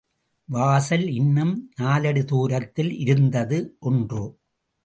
வாசல் இன்னும் நாலடிதுரத்தில் இருந்தது ஒன்று.